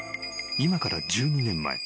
［今から１２年前。